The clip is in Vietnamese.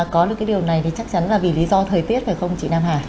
có được cái điều này thì chắc chắn là vì lý do thời tiết phải không chị nam hà